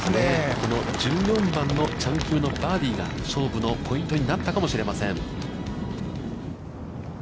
この１４番のチャン・キムのバーディーが勝負のポイントになったかもしれません。